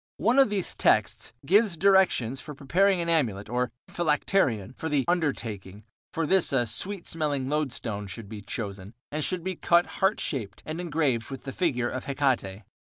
One of these texts gives directions for preparing an amulet, or phylacterion, for the "undertaking"; for this a "sweet smelling" loadstone should be chosen, and should be cut heart shaped and engraved with the figure of Hecate.